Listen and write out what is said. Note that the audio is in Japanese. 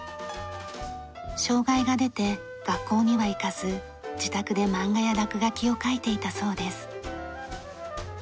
障害が出て学校には行かず自宅で漫画や落書きを描いていたそうです。